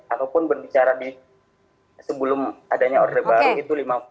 ataupun berbicara di sebelum adanya orde baru itu lima puluh